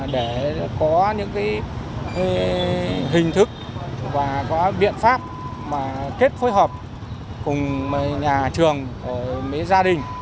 để có những hình thức và có biện pháp kết phối hợp cùng nhà trường và gia đình